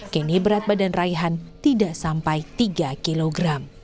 kini berat badan raihan tidak sampai tiga kg